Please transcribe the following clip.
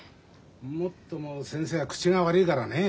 もっとも先生は口が悪いからね。